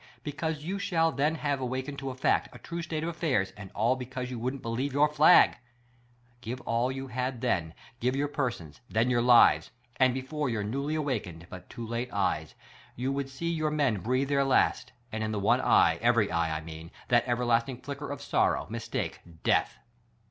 Be cause you shall then have awakened to a fact, a true state of affairs — and all because you wouldn't believe your flag ! Give all you had then, your persons — then your lives : And before your newly awakened, but to.o late eyes, you would see your men breathe their last ; and in the one eye — every eye, I mean that everlasting flicker of sorro.w, mistake — death